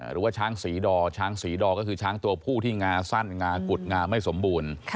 หรือว่าช้างศรีดอช้างศรีดอก็คือช้างตัวผู้ที่งาสั้นงากุดงาไม่สมบูรณ์